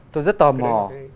tôi rất tò mò